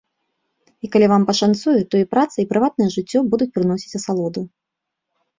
І калі вам пашанцуе, то і праца, і прыватнае жыццё будуць прыносіць асалоду.